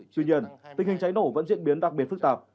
tuy nhiên tình hình cháy nổ vẫn diễn biến đặc biệt phức tạp